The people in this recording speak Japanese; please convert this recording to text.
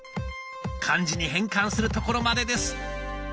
漢字に変換するところまでです。